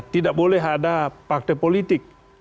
tidak boleh ada partai politik